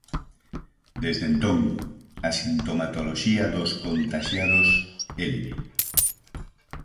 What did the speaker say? Desde entón, a sintomatoloxía dos contaxiados é leve.